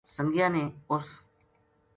سنگیاں نے اس